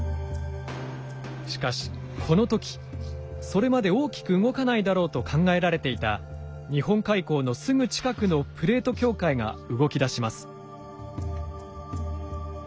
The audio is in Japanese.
しかしこの時それまで大きく動かないだろうと考えられていた日本海溝のすぐ近くのプレート境界が動きだします。